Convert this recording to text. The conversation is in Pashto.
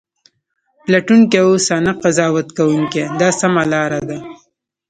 پلټونکی اوسه نه قضاوت کوونکی دا سمه لار ده.